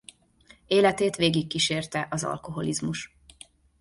Életét végigkísérte az alkoholizmus.